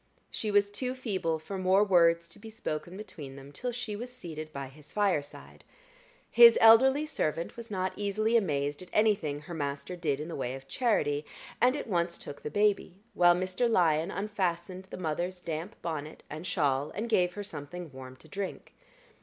She was too feeble for more words to be spoken between them till she was seated by his fireside. His elderly servant was not easily amazed at anything her master did in the way of charity, and at once took the baby, while Mr. Lyon unfastened the mother's damp bonnet and shawl, and gave her something warm to drink.